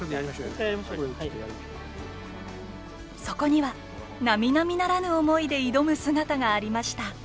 そこにはなみなみならぬ思いで挑む姿がありました。